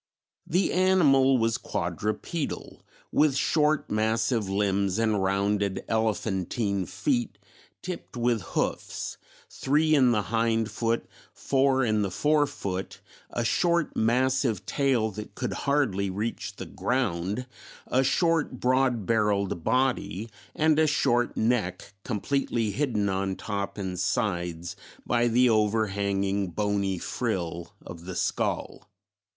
The animal was quadrupedal, with short massive limbs and rounded elephantine feet tipped with hoofs, three in the hind foot, four in the fore foot, a short massive tail that could hardly reach the ground, a short broad barrelled body and a short neck completely hidden on top and sides by the overhanging bony frill of the skull.